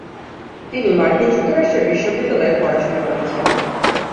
তিনি মার্কিন যুক্তরাষ্ট্রের বিশ্ববিদ্যালয়ে পড়াশোনা করেছেন।